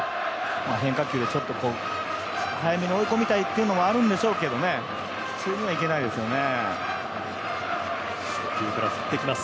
変化球、ちょっと早めに追い込みたいっていうのがあるんでしょうけどね普通にはいけないですよね。